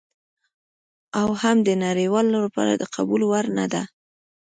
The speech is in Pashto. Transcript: او هم د نړیوالو لپاره د قبول وړ نه ده.